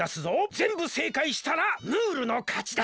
ぜんぶせいかいしたらムールのかちだ。